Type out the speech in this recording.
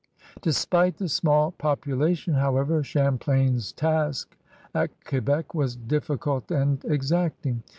Despite the small population, however, Cham plain's task at Quebec was difficult and exacting.